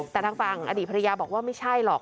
แต่ทางฝั่งอดีตภรรยาบอกว่าไม่ใช่หรอก